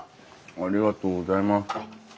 ありがとうございます。